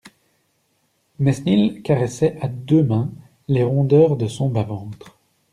Mesnil caressait à deux mains les rondeurs de son bas-ventre.